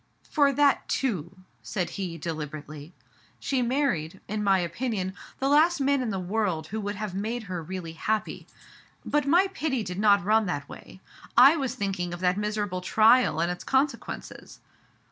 "For that too/* said he deliberately. "She married, in my opinion, the last man in the world who would have made her really happy. But my pity did not run that way. I was thinking of that miserable trial and its con sequences."